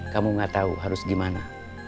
kamu gak tahu harus gimana